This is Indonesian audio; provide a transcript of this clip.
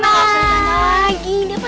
makasih udah ngelakuin